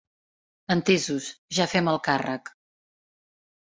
Entesos, ja fem el càrrec.